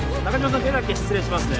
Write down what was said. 手だけ失礼しますね